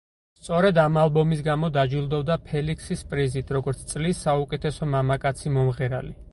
სწორედ ამ ალბომის გამო დაჯილდოვდა ფელიქსის პრიზით, როგორც წლის საუკეთესო მამაკაცი მომღერალი.